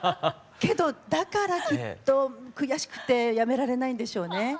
けどだからきっと悔しくてやめられないんでしょうね。